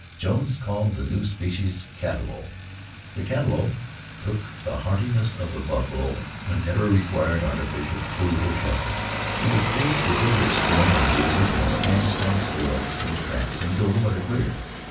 Jones called the new species "Cattalo." The cattalo took the hardiness of the buffalo, and never required artificial food or shelter. He would face the desert storm or blizzard and stand stock still in his tracks until the weather cleared.